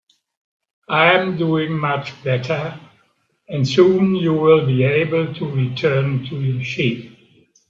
I'm doing much better, and soon you'll be able to return to your sheep.